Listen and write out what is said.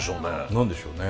何でしょうね。